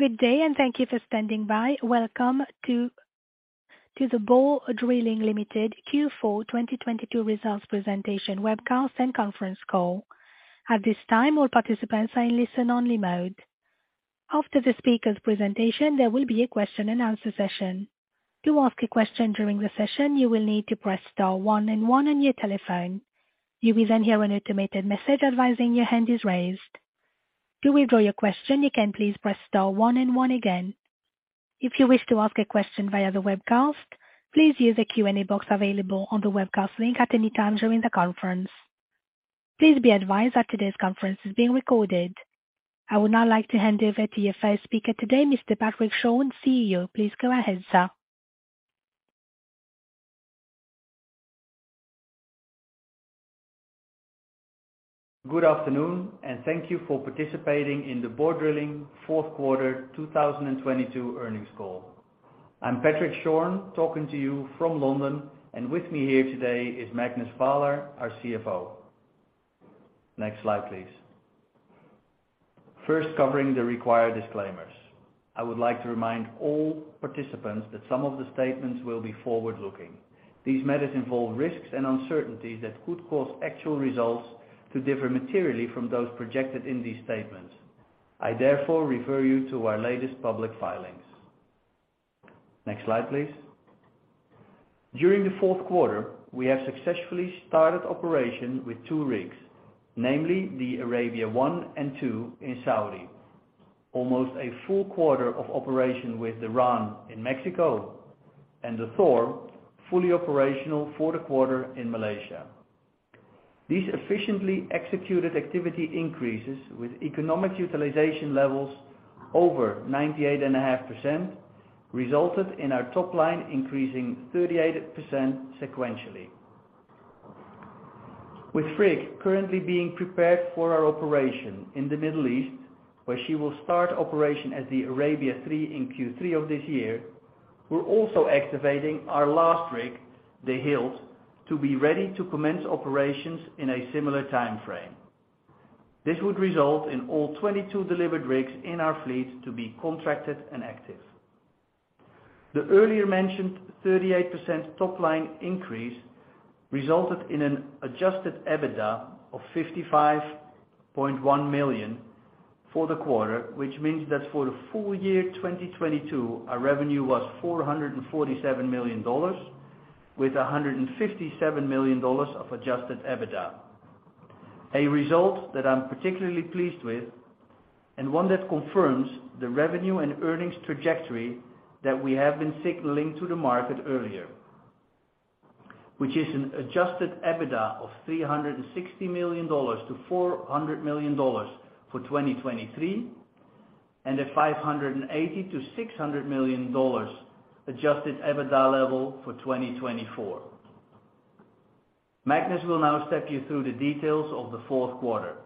Good day. Thank you for standing by. Welcome to the Borr Drilling Limited Q4 2022 results presentation webcast and conference call. At this time, all participants are in listen only mode. After the speaker's presentation, there will be a question and answer session. To ask a question during the session, you will need to press star one and one on your telephone. You will hear an automated message advising your hand is raised. To withdraw your question, you can please press star one and one again. If you wish to ask a question via the webcast, please use the Q&A box available on the webcast link at any time during the conference. Please be advised that today's conference is being recorded. I would now like to hand over to your first speaker today, Mr. Patrick Schorn, CEO. Please go ahead, sir. Good afternoon and thank you for participating in the Borr Drilling fourth quarter 2022 earnings call. I'm Patrick Schorn, talking to you from London, and with me here today is Magnus Vaaler, our CFO. Next slide, please. First, covering the required disclaimers. I would like to remind all participants that some of the statements will be forward-looking. These matters involve risks and uncertainties that could cause actual results to differ materially from those projected in these statements. I therefore refer you to our latest public filings. Next slide, please. During the fourth quarter, we have successfully started operation with two rigs, namely the Arabia I and II in Saudi. Almost a full quarter of operation with the Ran in Mexico and the Thor fully operational for the quarter in Malaysia. These efficiently executed activity increases with economic utilization levels over 98.5%, resulted in our top line increasing 38% sequentially. With Frigg currently being prepared for our operation in the Middle East, where she will start operation as the Arabia III in Q3 of this year, we're also activating our last rig, the Hild, to be ready to commence operations in a similar time frame. This would result in all 22 delivered rigs in our fleet to be contracted and active. The earlier mentioned 38% top line increase resulted in an adjusted EBITDA of $55.1 million for the quarter, which means that for the full year 2022, our revenue was $447 million with $157 million of adjusted EBITDA. A result that I'm particularly pleased with and one that confirms the revenue and earnings trajectory that we have been signaling to the market earlier, which is an adjusted EBITDA of $360 million-$400 million for 2023, and a $580 million-$600 million adjusted EBITDA level for 2024. Magnus will now step you through the details of the fourth quarter.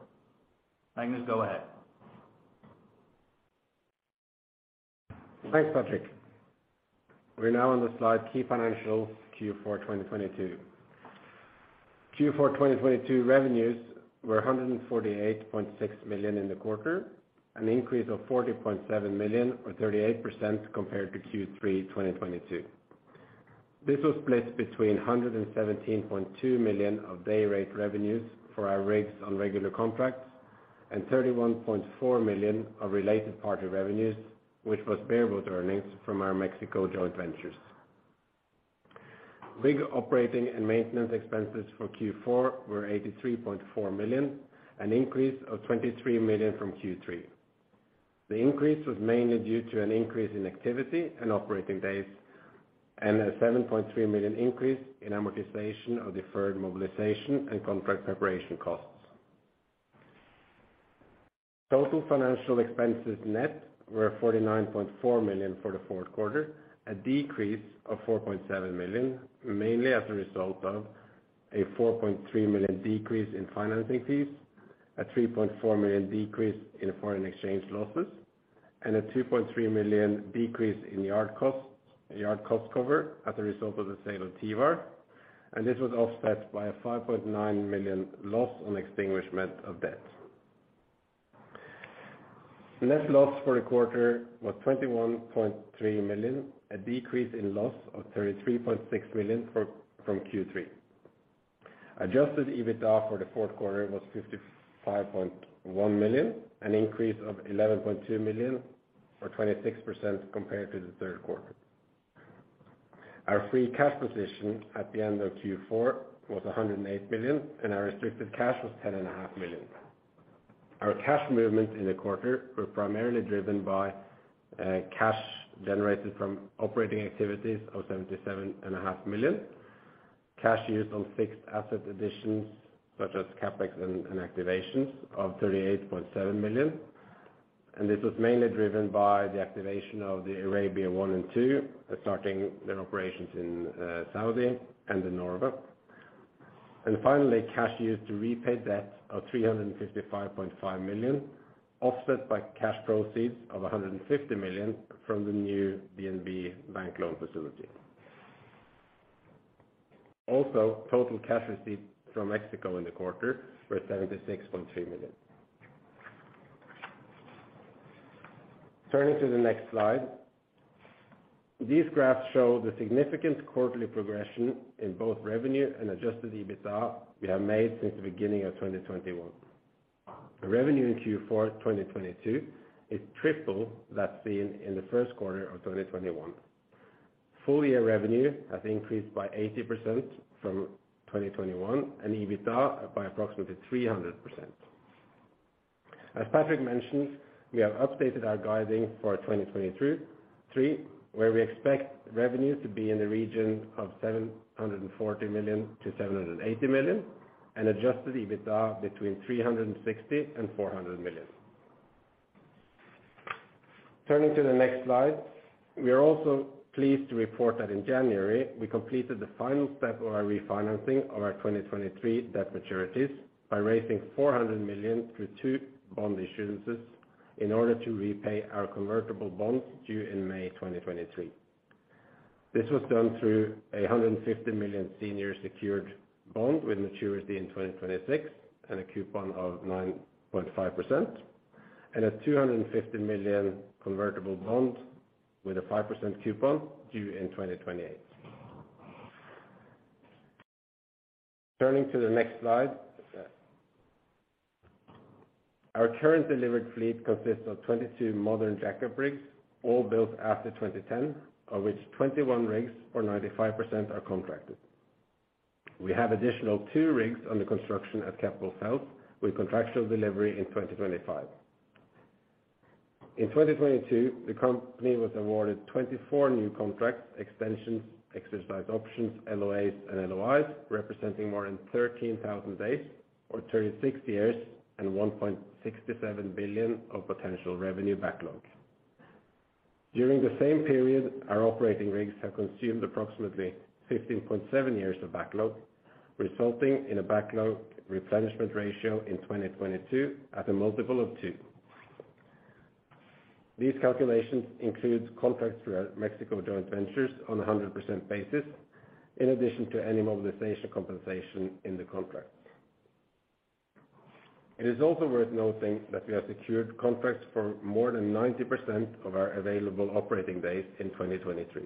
Magnus, go ahead. Thanks, Patrick. We're now on the slide, key financials Q4 2022. Q4 2022 revenues were $148.6 million in the quarter, an increase of $40.7 million or 38% compared to Q3 2022. This was split between $117.2 million of day rate revenues for our rigs on regular contracts, and $31.4 million of related party revenues, which was bareboat earnings from our Mexico joint ventures. Rig operating and maintenance expenses for Q4 were $83.4 million, an increase of $23 million from Q3. The increase was mainly due to an increase in activity and operating days, and a $7.3 million increase in amortization of deferred mobilization and contract preparation costs. Total financial expenses net were $49.4 million for the fourth quarter, a decrease of $4.7 million, mainly as a result of a $4.3 million decrease in financing fees, a $3.4 million decrease in foreign exchange losses, and a $2.3 million decrease in yard cost cover as a result of the sale of Tivar. This was offset by a $5.9 million loss on extinguishment of debt. Net loss for the quarter was $21.3 million, a decrease in loss of $33.6 million from Q3. Adjusted EBITDA for the fourth quarter was $55.1 million, an increase of $11.2 million or 26% compared to the third quarter. Our free cash position at the end of Q4 was $108 million, and our restricted cash was $10.5 million. Our cash movements in the quarter were primarily driven by cash generated from operating activities of $77.5 million. Cash used on fixed asset additions such as CapEx and activations of $38.7 million. This was mainly driven by the activation of the Arabia I and II, starting their operations in Saudi and the Norve. Finally, cash used to repay debt of $355.5 million, offset by cash proceeds of $150 million from the new DNB bank loan facility. Also, total cash received from Mexico in the quarter were $76.3 million. Turning to the next slide. These graphs show the significant quarterly progression in both revenue and adjusted EBITDA we have made since the beginning of 2021. Revenue in Q4 2022 is triple that seen in the first quarter of 2021. Full year revenue has increased by 80% from 2021. EBITDA by approximately 300%. As Patrick mentioned, we have updated our guiding for 2023, where we expect revenues to be in the region of $740 million-$780 million, and adjusted EBITDA between $360 million and $400 million. Turning to the next slide. We are also pleased to report that in January, we completed the final step of our refinancing of our 2023 debt maturities by raising $400 million through two bond issuances in order to repay our convertible bonds due in May 2023. This was done through a $150 million senior secured bond with maturity in 2026 and a coupon of 9.5%, and a $250 million convertible bond with a 5% coupon due in 2028. Turning to the next slide. Our current delivered fleet consists of 22 modern jack-up rigs, all built after 2010, of which 21 rigs or 95% are contracted. We have additional two rigs under construction at Keppel FELS with contractual delivery in 2025. In 2022, the company was awarded 24 new contracts, extensions, exercised options, LOAs, and LOIs, representing more than 13,000 days or 36 years and $1.67 billion of potential revenue backlog. During the same period, our operating rigs have consumed approximately 15.7 years of backlog, resulting in a backlog replenishment ratio in 2022 at a multiple of two. These calculations include contracts for our Mexico joint ventures on a 100% basis, in addition to any mobilization compensation in the contracts. It is also worth noting that we have secured contracts for more than 90% of our available operating days in 2023.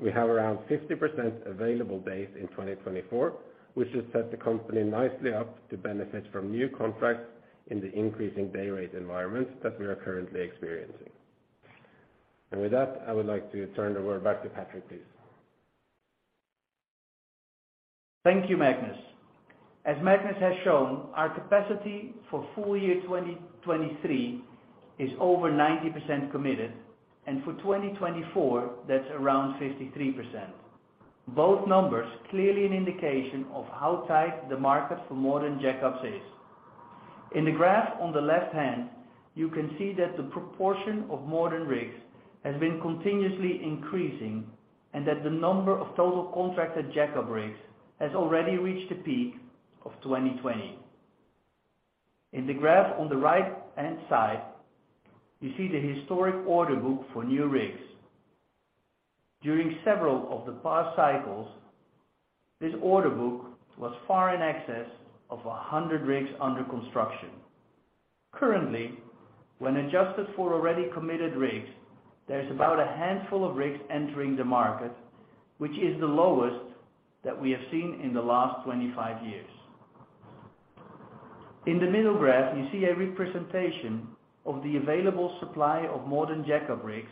We have around 50% available days in 2024, which has set the company nicely up to benefit from new contracts in the increasing day rate environment that we are currently experiencing. With that, I would like to turn the word back to Patrick, please. Thank you, Magnus. As Magnus has shown, our capacity for full year 2023 is over 90% committed, and for 2024, that's around 53%. Both numbers clearly an indication of how tight the market for modern jack-up is. In the graph on the left hand, you can see that the proportion of modern rigs has been continuously increasing and that the number of total contracted jack-up rigs has already reached a peak of 2020. In the graph on the right-hand side, you see the historic order book for new rigs. During several of the past cycles, this order book was far in excess of 100 rigs under construction. Currently, when adjusted for already committed rigs, there's about a handful of rigs entering the market, which is the lowest that we have seen in the last 25 years. In the middle graph, you see a representation of the available supply of modern jack-up rigs,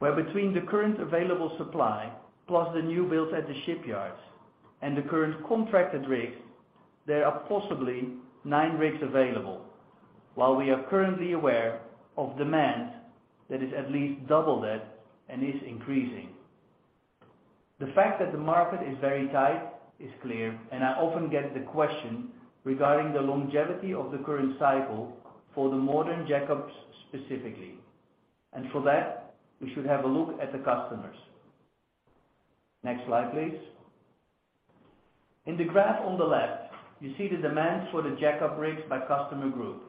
where between the current available supply plus the new builds at the shipyards and the current contracted rigs, there are possibly nine rigs available. We are currently aware of demand that is at least double that and is increasing. The fact that the market is very tight is clear, and I often get the question regarding the longevity of the current cycle for the modern jackups specifically. For that, we should have a look at the customers. Next slide, please. In the graph on the left, you see the demand for the jack-up rigs by customer group,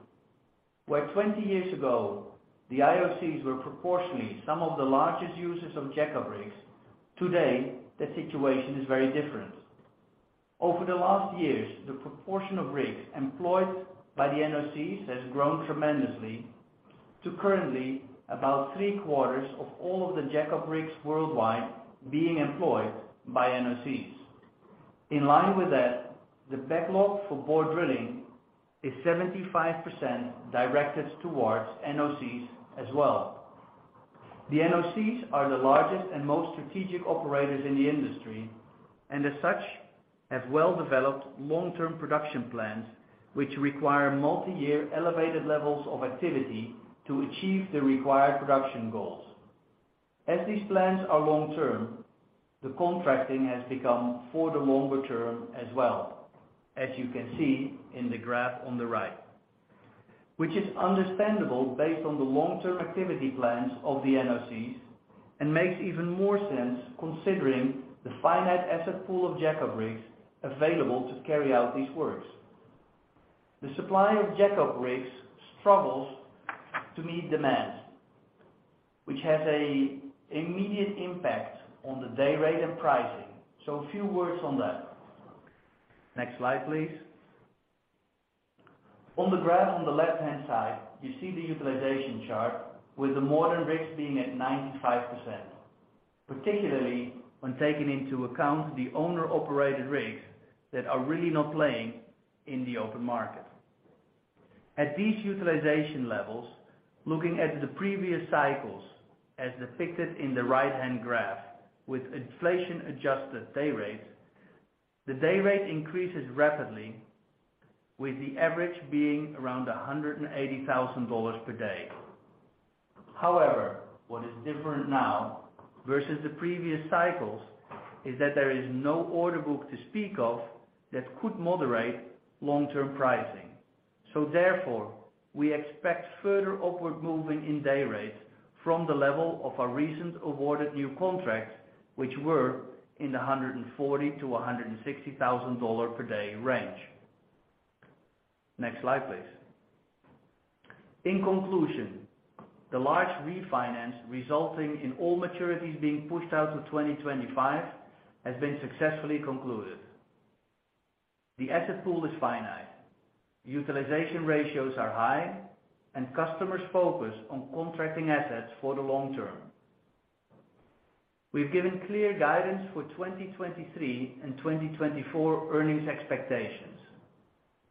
where 20 years ago, the IOCs were proportionally some of the largest users of jack-up rigs. Today, the situation is very different. Over the last years, the proportion of rigs employed by the NOCs has grown tremendously to currently about three-quarters of all of the jack-up rigs worldwide being employed by NOCs. In line with that, the backlog for Borr Drilling is 75% directed towards NOCs as well. The NOCs are the largest and most strategic operators in the industry, and as such, have well-developed long-term production plans which require multiyear elevated levels of activity to achieve the required production goals. As these plans are long-term, the contracting has become for the longer term as well, as you can see in the graph on the right, which is understandable based on the long-term activity plans of the NOCs and makes even more sense considering the finite asset pool of jack-up rigs available to carry out these works. The supply of jack-up rigs struggles to meet demand, which has a immediate impact on the day rate and pricing. A few words on that. Next slide, please. On the graph on the left-hand side, you see the utilization chart with the modern rigs being at 95%, particularly when taking into account the owner-operated rigs that are really not playing in the open market. At these utilization levels, looking at the previous cycles as depicted in the right-hand graph with inflation-adjusted day rates, the day rate increases rapidly with the average being around $180,000 per day. What is different now versus the previous cycles is that there is no order book to speak of that could moderate long-term pricing. Therefore, we expect further upward moving in day rates from the level of our recent awarded new contracts, which were in the $140,000-$160,000 per day range. Next slide, please. In conclusion, the large refinance resulting in all maturities being pushed out to 2025 has been successfully concluded. The asset pool is finite. Utilization ratios are high and customers focus on contracting assets for the long term. We've given clear guidance for 2023 and 2024 earnings expectations.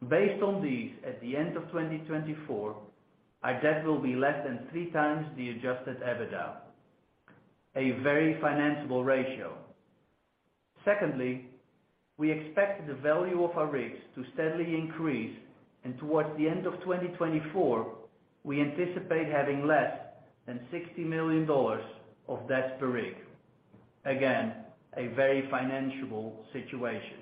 Based on these, at the end of 2024, our debt will be less than 3x the adjusted EBITDA, a very financiable ratio. Secondly, we expect the value of our rigs to steadily increase, and towards the end of 2024, we anticipate having less than $60 million of debt per rig. Again, a very financiable situation.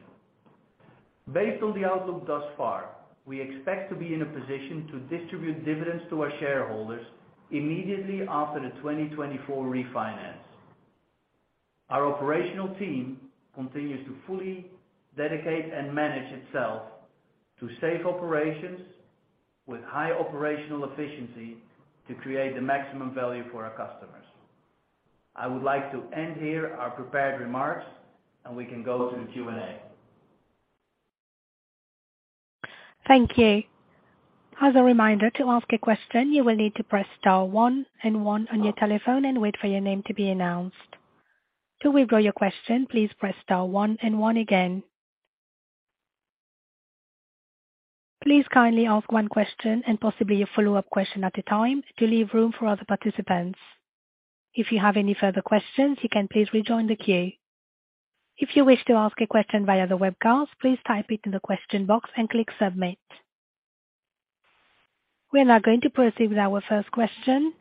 Based on the outlook thus far, we expect to be in a position to distribute dividends to our shareholders immediately after the 2024 refinance. Our operational team continues to fully dedicate and manage itself to safe operations with high operational efficiency to create the maximum value for our customers. I would like to end here our prepared remarks and we can go to the Q&A. Thank you. As a reminder, to ask a question, you will need to press star one and one on your telephone and wait for your name to be announced. To withdraw your question, please press star one and one again. Please kindly ask one question and possibly a follow-up question at a time to leave room for other participants. If you have any further questions, you can please rejoin the queue. If you wish to ask a question via the webcast, please type it in the question box and click Submit. We are now going to proceed with our first question.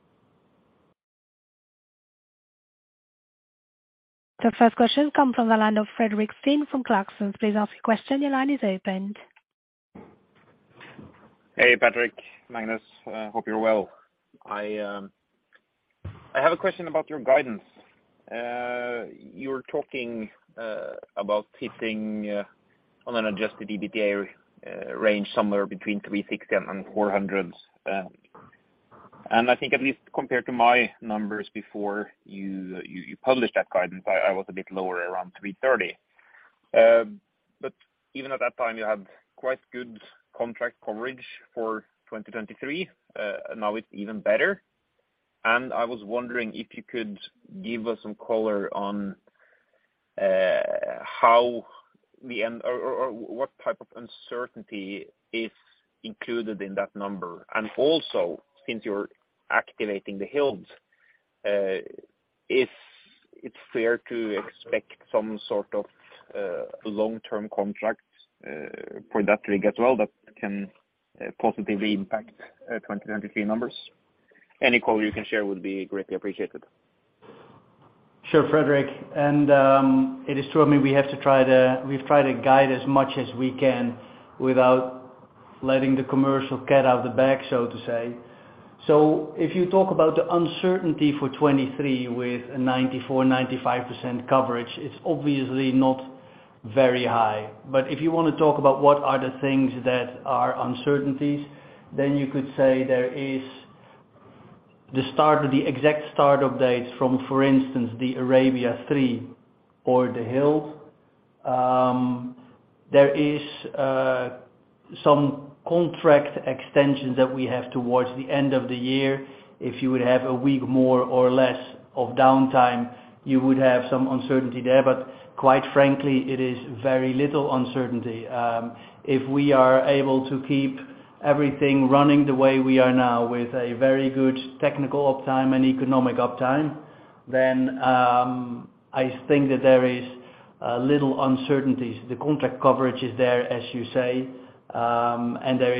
The first question come from the line of Fredrik Stene from Clarksons. Please ask your question. Your line is open. Hey, Patrick, Magnus. Hope you're well. I have a question about your guidance. You're talking about hitting on an adjusted EBITDA range somewhere between $360 million and $400 million. I think at least compared to my numbers before you published that guidance, I was a bit lower, around $330 million. Even at that time, you had quite good contract coverage for 2023. Now it's even better. I was wondering if you could give us some color on how the end or what type of uncertainty is included in that number. Also since you're activating the Hild, if it's fair to expect some sort of long-term contract for that rig as well, that can positively impact 2023 numbers. Any color you can share would be greatly appreciated. Sure, Fredrik. It is true. I mean, we've tried to guide as much as we can without letting the commercial cat out of the bag, so to say. If you talk about the uncertainty for 23 with a 94%, 95% coverage, it's obviously not very high. If you wanna talk about what are the things that are uncertainties, then you could say there is the exact start of dates from, for instance, the Arabia III or the Hild. There is some contract extensions that we have towards the end of the year. If you would have a week more or less of downtime, you would have some uncertainty there. Quite frankly, it is very little uncertainty. If we are able to keep everything running the way we are now with a very good technical uptime and economic uptime, I think that there is little uncertainties. The contract coverage is there, as you say, and there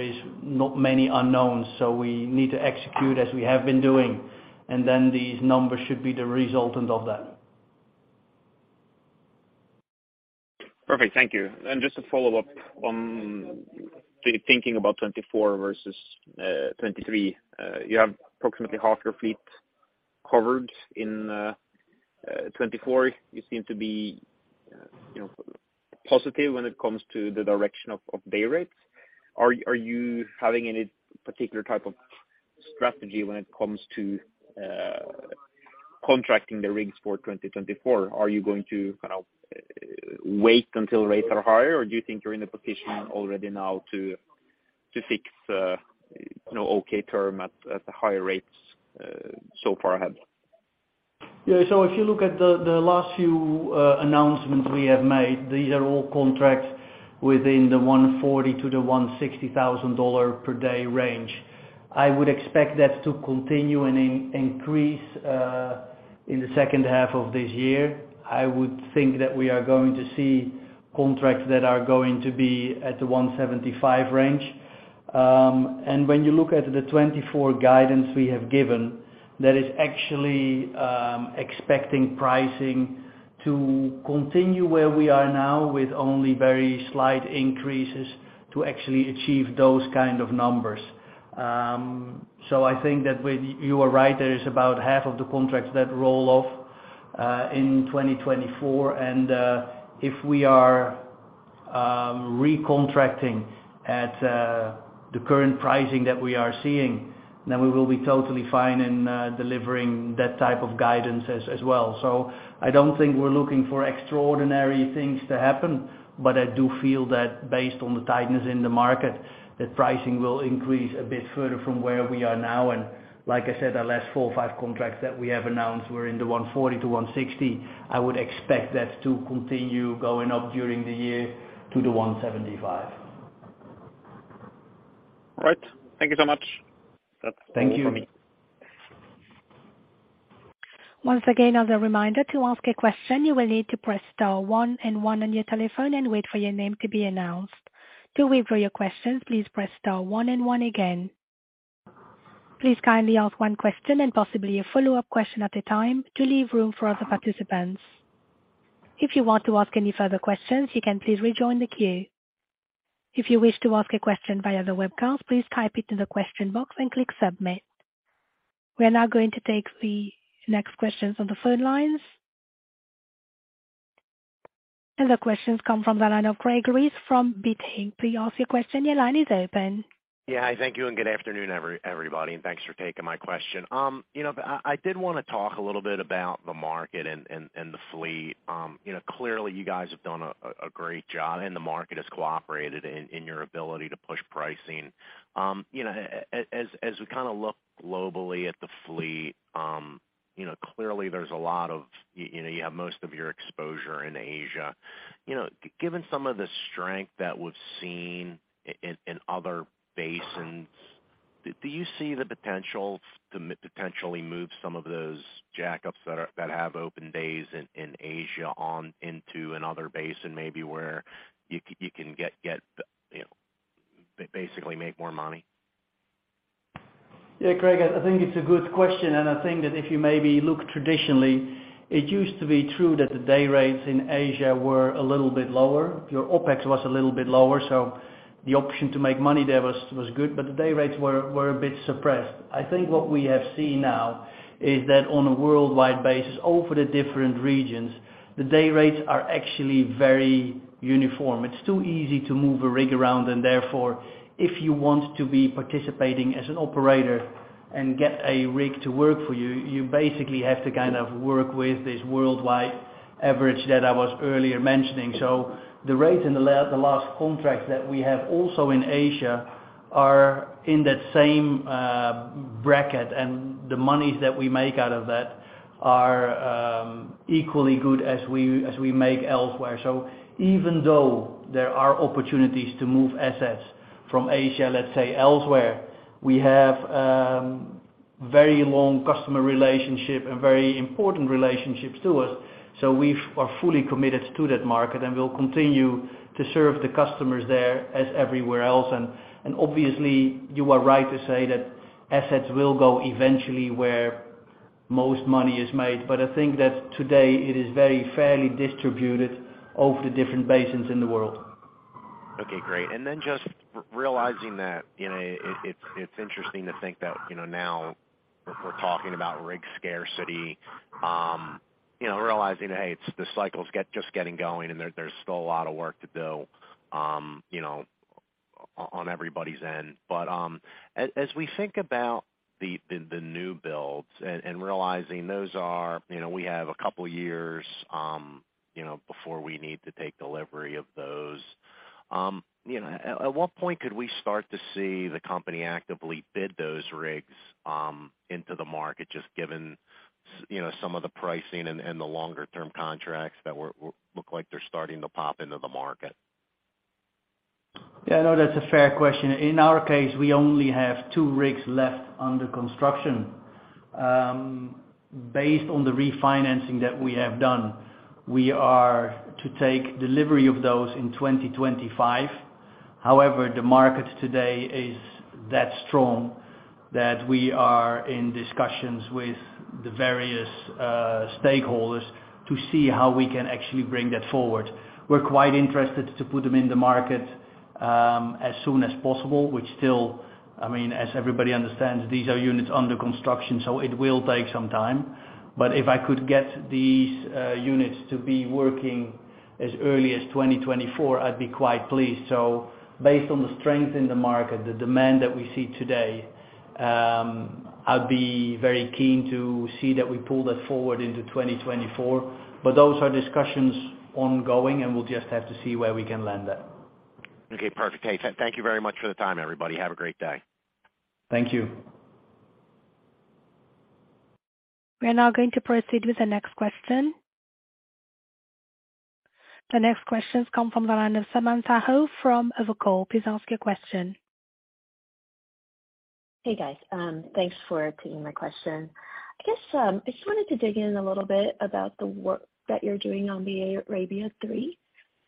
is not many unknowns. We need to execute as we have been doing, and then these numbers should be the resultant of that. Perfect. Thank you. Just to follow up on the thinking about 2024 versus 2023, you have approximately half your fleet covered in 2024. You seem to be, you know, positive when it comes to the direction of day rates. Are you having any particular type of strategy when it comes to contracting the rigs for 2024? Are you going to kind of wait until rates are higher, or do you think you're in a position already now to fix a, you know, okay term at the higher rates so far ahead? If you look at the last few announcements we have made, these are all contracts within the $140,000-$160,000 per day range. I would expect that to continue and increase in the second half of this year. I would think that we are going to see contracts that are going to be at the $175,000 range. When you look at the 2024 guidance we have given, that is actually expecting pricing to continue where we are now with only very slight increases to actually achieve those kind of numbers. I think that when... You are right, there is about half of the contracts that roll off in 2024, and if we are recontracting at the current pricing that we are seeing, then we will be totally fine in delivering that type of guidance as well. I don't think we're looking for extraordinary things to happen, but I do feel that based on the tightness in the market, that pricing will increase a bit further from where we are now. Like I said, our last four or five contracts that we have announced were in the $140-$160. I would expect that to continue going up during the year to the $175. Right. Thank you so much. Thank you. That's all for me. Once again, as a reminder, to ask a question, you will need to press star one and one on your telephone and wait for your name to be announced. To withdraw your questions, please press star one and one again. Please kindly ask one question and possibly a follow-up question at a time to leave room for other participants. If you want to ask any further questions, you can please rejoin the queue. If you wish to ask a question via the webcast, please type it in the question box and click Submit. We are now going to take the next questions on the phone lines. The questions come from the line of Greg Lewis from BTIG. Please ask your question. Your line is open. Yeah. Thank you. Good afternoon, everybody, and thanks for taking my question. You know, I did wanna talk a little bit about the market and the fleet. You know, clearly you guys have done a great job and the market has cooperated in your ability to push pricing. You know, as we kinda look globally at the fleet, you know, clearly there's a lot of... You know, you have most of your exposure in Asia. You know, given some of the strength that we've seen in other basins, do you see the potential to potentially move some of those jackups that are, that have open days in Asia on into another basin, maybe where you can get, you know, basically make more money? Greg, I think it's a good question, and I think that if you maybe look traditionally, it used to be true that the day rates in Asia were a little bit lower. Your OpEx was a little bit lower, so the option to make money there was good, but the day rates were a bit suppressed. I think what we have seen now is that on a worldwide basis, over the different regions, the day rates are actually very uniform. It's too easy to move a rig around and therefore, if you want to be participating as an operator and get a rig to work for you basically have to kind of work with this worldwide average that I was earlier mentioning. The rates in the last contracts that we have also in Asia are in that same bracket, and the monies that we make out of that are equally good as we make elsewhere. Even though there are opportunities to move assets from Asia, let's say elsewhere, we have very long customer relationship and very important relationships to us. We are fully committed to that market, and we'll continue to serve the customers there as everywhere else. Obviously, you are right to say that assets will go eventually where most money is made. I think that today it is very fairly distributed over the different basins in the world. Okay, great. Just realizing that, you know, it's, it's interesting to think that, you know, now we're talking about rig scarcity, you know, realizing, hey, it's the cycle's just getting going and there's still a lot of work to do, you know, on everybody's end. As we think about the new builds and realizing those are, you know, we have a couple years, you know, before we need to take delivery of those, you know, at what point could we start to see the company actively bid those rigs into the market, just given you know, some of the pricing and the longer term contracts that look like they're starting to pop into the market? Yeah, no, that's a fair question. In our case, we only have two rigs left under construction. Based on the refinancing that we have done, we are to take delivery of those in 2025. However, the market today is that strong that we are in discussions with the various stakeholders to see how we can actually bring that forward. We're quite interested to put them in the market, as soon as possible, which still, I mean, as everybody understands, these are units under construction, so it will take some time. If I could get these units to be working as early as 2024, I'd be quite pleased. Based on the strength in the market, the demand that we see today, I'd be very keen to see that we pull that forward into 2024. Those are discussions ongoing, and we'll just have to see where we can land that. Okay, perfect. Hey, thank you very much for the time, everybody. Have a great day. Thank you. We are now going to proceed with the next question. The next question comes from the line of Samantha Hoh from Evercore ISI. Please ask your question. Hey, guys. Thanks for taking my question. I guess, I just wanted to dig in a little bit about the work that you're doing on the Arabia III,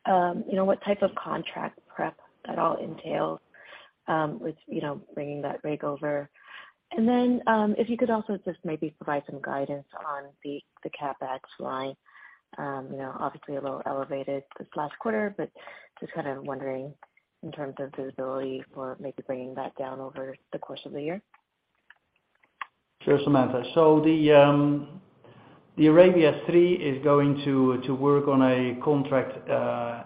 you know, what type of contract prep that all entails, with, you know, bringing that rig over. Then, if you could also just maybe provide some guidance on the CapEx line. You know, obviously a little elevated this last quarter, but just kind of wondering in terms of visibility for maybe bringing that down over the course of the year. The Arabia III is going to work on a contract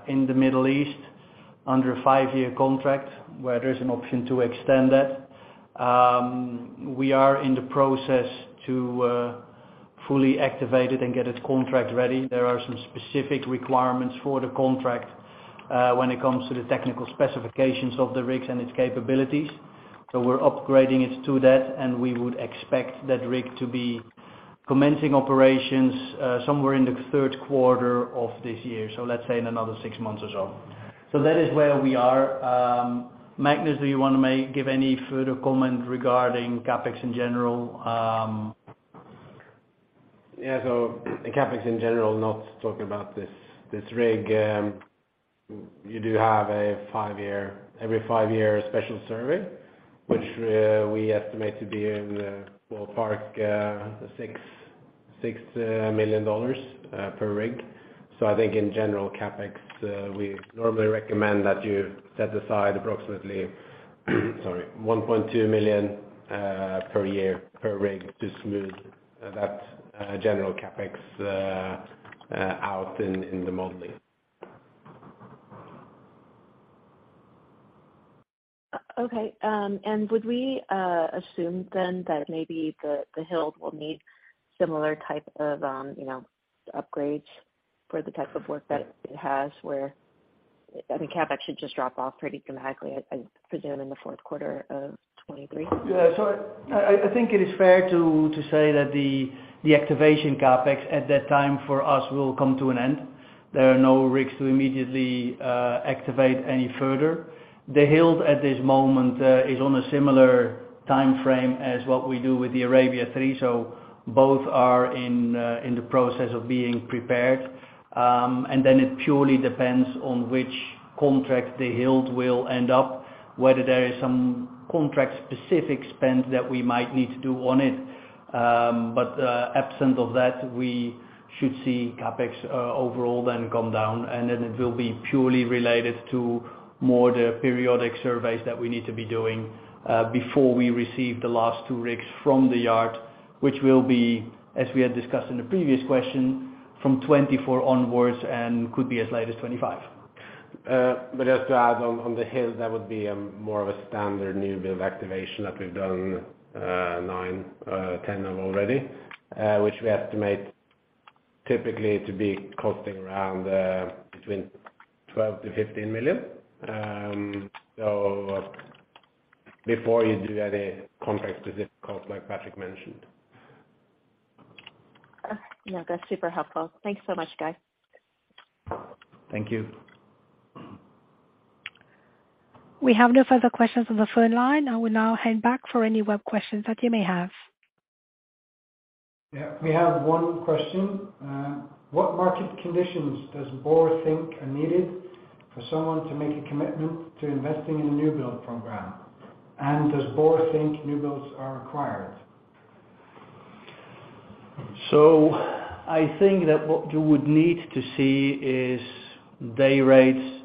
in the Middle East under a five-year contract, where there's an option to extend that. We are in the process to fully activate it and get its contract ready. There are some specific requirements for the contract when it comes to the technical specifications of the rigs and its capabilities. We're upgrading it to that, and we would expect that rig to be commencing operations somewhere in the third quarter of this year. Let's say in another six months or so. That is where we are. Magnus, do you wanna give any further comment regarding CapEx in general? CapEx in general, not talking about this rig, you do have a five year every five year special survey, which we estimate to be in the ballpark, $6 million per rig. I think in general, CapEx, we normally recommend that you set aside approximately, sorry, $1.2 million per year, per rig to smooth that general CapEx out in the modeling. Okay. Would we assume then that maybe the Hild will need similar type of, you know, upgrades for the type of work that it has, where, I think, CapEx should just drop off pretty dramatically, I presume, in the fourth quarter of 2023? Yeah. I think it is fair to say that the activation CapEx at that time for us will come to an end. There are no rigs to immediately activate any further. The Hild at this moment is on a similar timeframe as what we do with the Arabia III, both are in the process of being prepared. Then it purely depends on which contract the Hild will end up, whether there is some contract specific spend that we might need to do on it. Absent of that, we should see CapEx overall then come down, and then it will be purely related to more the periodic surveys that we need to be doing, before we receive the last two rigs from the yard, which will be, as we had discussed in the previous question, from 2024 onwards and could be as late as 2025. Just to add on the Hild, that would be more of a standard newbuild activation that we've done nine, 10 of already, which we estimate typically to be costing around between $12 million-$15 million. Before you do any contract specific costs like Patrick mentioned. Yeah, that's super helpful. Thank you so much, guys. Thank you. We have no further questions on the phone line. I will now hand back for any web questions that you may have. Yeah, we have one question. What market conditions does Borr think are needed for someone to make a commitment to investing in a newbuild program? Does Borr think newbuilds are required? I think that what you would need to see is day rates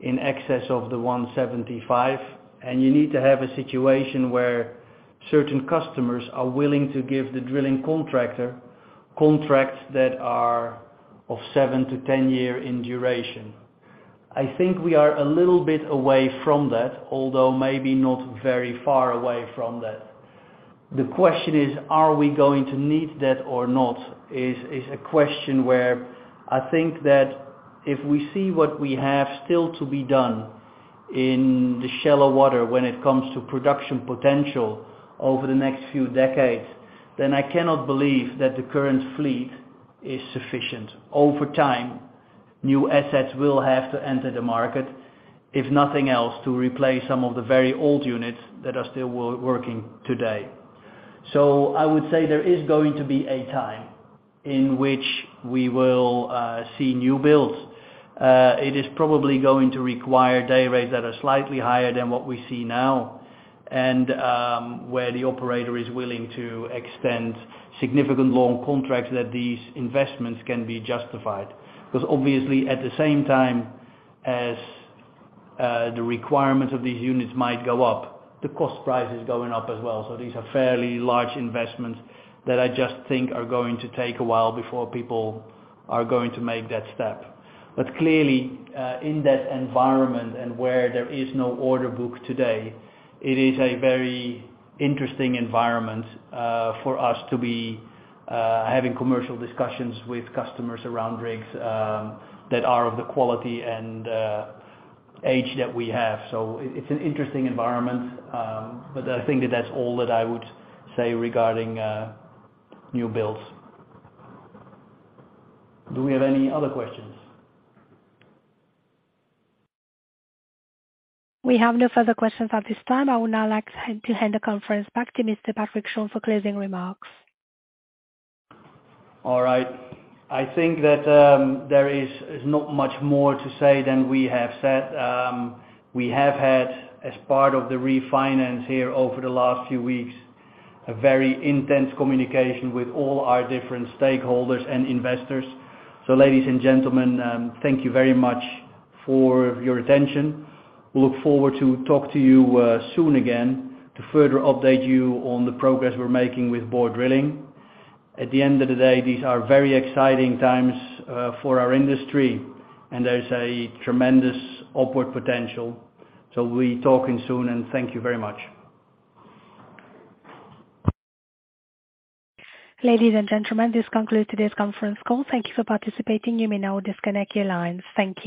in excess of the $175, and you need to have a situation where certain customers are willing to give the drilling contractor contracts that are of seven-10 year in duration. I think we are a little bit away from that, although maybe not very far away from that. The question is, are we going to need that or not, is a question where I think that if we see what we have still to be done in the shallow water when it comes to production potential over the next few decades, then I cannot believe that the current fleet is sufficient. Over time, new assets will have to enter the market, if nothing else, to replace some of the very old units that are still working today. I would say there is going to be a time in which we will see newbuilds. It is probably going to require day rates that are slightly higher than what we see now. Where the operator is willing to extend significant long contracts that these investments can be justified. Because obviously, at the same time as the requirements of these units might go up, the cost price is going up as well. These are fairly large investments that I just think are going to take a while before people are going to make that step. Clearly, in that environment and where there is no order book today, it is a very interesting environment for us to be having commercial discussions with customers around rigs that are of the quality and age that we have. It's an interesting environment. I think that that's all that I would say regarding new builds. Do we have any other questions? We have no further questions at this time. I would now like to hand the conference back to Mr. Patrick Schorn for closing remarks. All right. I think that there is not much more to say than we have said. We have had, as part of the refinance here over the last few weeks, a very intense communication with all our different stakeholders and investors. Ladies and gentlemen, thank you very much for your attention. We look forward to talk to you soon again to further update you on the progress we're making with Borr Drilling. At the end of the day, these are very exciting times for our industry, and there's a tremendous upward potential. We'll be talking soon, and thank you very much. Ladies and gentlemen, this concludes today's conference call. Thank you for participating. You may now disconnect your lines. Thank you.